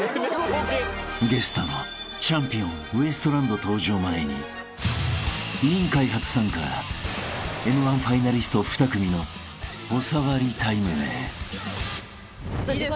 ［ゲストのチャンピオンウエストランド登場前に『委員会』初参加Ｍ−１ファイナリスト２組のおさわりタイムへ］